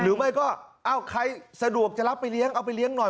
หรือไม่ก็เอ้าใครสะดวกจะรับไปเลี้ยงเอาไปเลี้ยงหน่อย